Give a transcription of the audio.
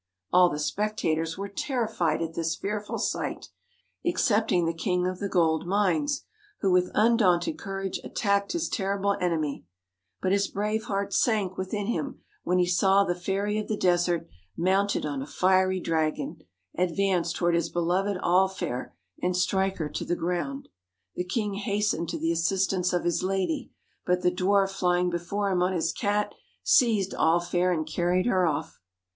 All the spectators were terrified at this fearful sight, excepting the King of the Gold Mines, who with undaunted courage attacked his terrible enemy; but his brave heart sank within him when he saw the Fairy of the Desert, mounted on a fiery dragon, advance towards his beloved All fair and strike her to the ground. The king hastened to the assistance of his lady; but the dwarf flying before him on his cat, seized All fair and carried her off.